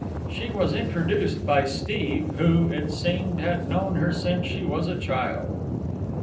She was introduced by Steve, who, it seemed, had known her since she was a child.